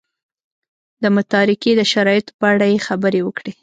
د متارکې د شرایطو په اړه یې خبرې وکړې.